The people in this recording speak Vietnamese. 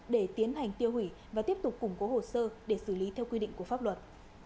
để tiến hành tiêu hủy và tiếp tục củng cố hồ sơ để xử lý theo quy định của pháp luật